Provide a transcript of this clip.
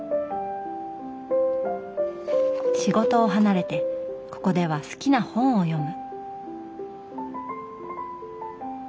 仕事を離れてここでは好きな本を読む。